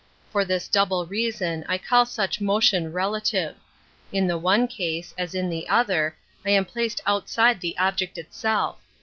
For this donble reason I call such motion relative: in the one case, as in the other, I am placed outside the object itself.